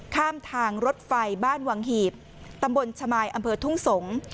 ข้ามทางรถไฟบ้านวังหีบตำบลชมายอำเภอทุ่งสงศ์